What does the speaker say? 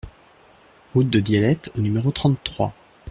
Route de Diélette au numéro trente-trois